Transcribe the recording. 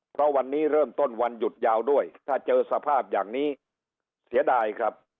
เพราะวันนี้เริ่มต้นวันหยุดยาวด้วยถ้าเจอสภาพอย่างนี้เสียดายครับ